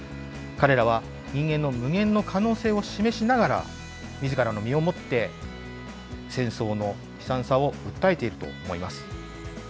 彼らは、人間の無限の可能性を示しながら、みずからの身をもって、戦争の悲惨さを訴えていると思います。